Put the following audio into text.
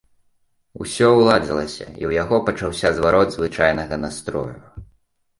Усё ўладзілася, і ў яго пачаўся зварот звычайнага настрою.